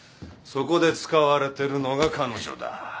そこで使われてるのが彼女だ。